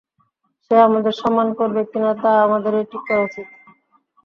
সে আমাদের সম্মান করবে কি না তা আমাদেরই ঠিক করা উচিত।